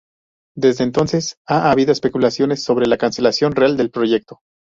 Desde entonces, ha habido especulaciones sobre la cancelación real del proyecto.